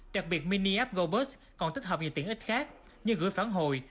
đặc biệt mini app gobus còn tích hợp nhiều tiện ích khác như gửi phản hồi